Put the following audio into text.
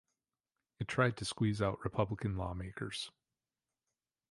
It tried to squeeze out Republican lawmakers.